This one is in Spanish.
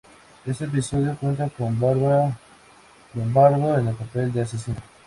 Este episodio cuenta con Bárbara Lombardo en el papel de asesina.